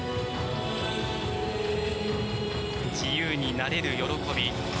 自由になれる喜び。